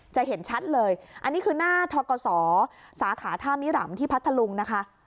จะเห็นชัดเลยอันนี้คือหน้าทกศสาขาท่ามิรำที่พัทธลุงนะคะ